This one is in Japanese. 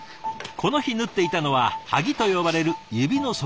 この日縫っていたのはハギと呼ばれる指の側面のパーツ。